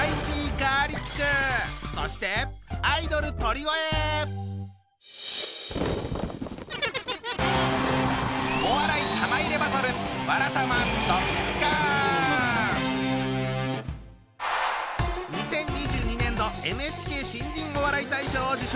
そしてお笑い玉入れバトル２０２２年度ＮＨＫ新人お笑い大賞を受賞。